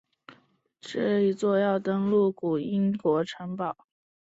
是一座登录建筑兼英国古迹。